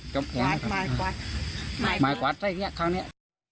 จบแขนนะคะหมายบริษัทใช่ไหมครั้งนี้